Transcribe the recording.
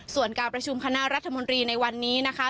ส่วนการประชุมคณะรัฐมนตรีในวันนี้นะคะ